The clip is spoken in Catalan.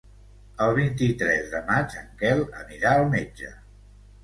El vint-i-tres de maig en Quel anirà al metge.